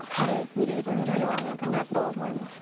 見れるんではないかなと思います。